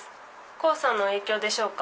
黄砂の影響でしょうか。